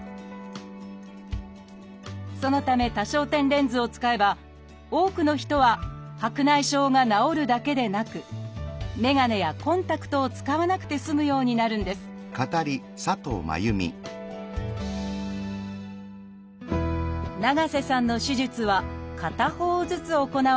そのため多焦点レンズを使えば多くの人は白内障が治るだけでなくメガネやコンタクトを使わなくて済むようになるんです長瀬さんの手術は片方ずつ行われました。